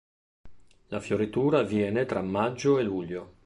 La fioritura avviene tra maggio e luglio.